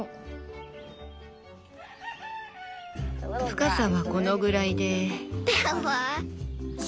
深さはこのぐらいで。